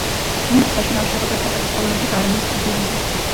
გუნდი საშინაო შეხვედრებს ატარებს პოლონეთის არმიის სტადიონზე.